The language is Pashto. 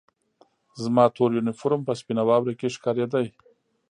زما تور یونیفورم په سپینه واوره کې ښکارېده